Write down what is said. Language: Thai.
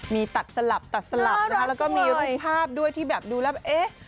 มีตัดสลับแล้วก็มีภาพด้วยที่แบบดูแล้ว